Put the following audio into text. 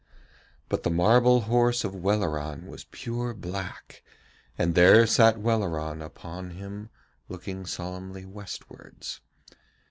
But the marble horse of Welleran was pure black, and there sat Welleran upon him looking solemnly westwards.